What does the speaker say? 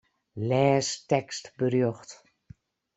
Lês tekstberjocht.